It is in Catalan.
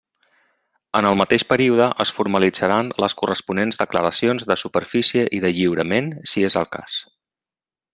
En el mateix període es formalitzaran les corresponents declaracions de superfície i de lliurament, si és el cas.